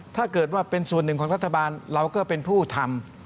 ถ้าเกิดว่าเป็นส่วนหนึ่งของรัฐบาลเราก็เป็นผู้ทำ